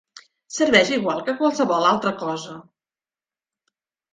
Serveix igual que qualsevol altra cosa!